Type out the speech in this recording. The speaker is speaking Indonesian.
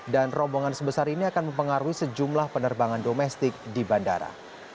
dan rombongan sebesar ini akan mempengaruhi sejumlah penerbangan domestik di bandara